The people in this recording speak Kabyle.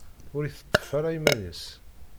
Ur iteṭṭef ara iman-is.